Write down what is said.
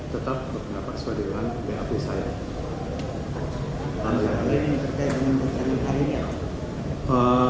tetap berpenggak kepada swadilwan bap saya